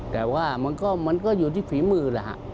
แต่ว่ามันก็อยู่ที่ฝีมือ